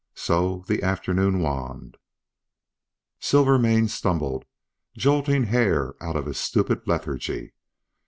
So the afternoon waned. Silvermane stumbled, jolting Hare out of his stupid lethargy.